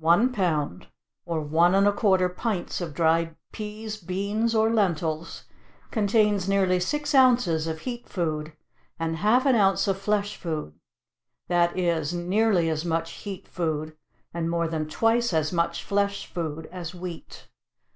One pound, or one and a quarter pints of dried peas, beans, or lentils, contains nearly six ounces of heat food, and half an ounce of flesh food; that is, nearly as much heat food, and more than twice as much flesh food as wheat.